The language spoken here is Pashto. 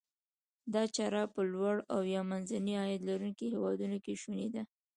دا چاره په لوړ او یا منځني عاید لرونکو هیوادونو کې شوني ده.